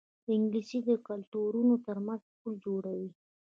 انګلیسي د کلتورونو ترمنځ پل جوړوي